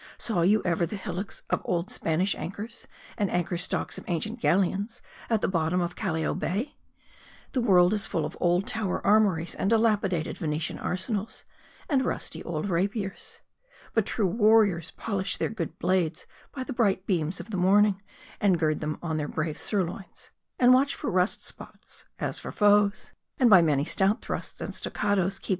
Saw you ever the hillocks of old Spanish anchors, and anchor stocks of ancient galleons, at the bottom of Callao Bay ? The world is full of old Tower armories, and dilapidated Venetian arsenals, and rusty old rapiers. But true warriors polish their good blades by the bright beams of the morning ; and gird them on to their brave sirloins ; and watch for rust spots as for foes ; and by many stout thrusts and stoccadoes keep MARDI.